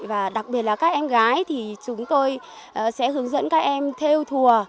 và đặc biệt là các em gái thì chúng tôi sẽ hướng dẫn các em theo thùa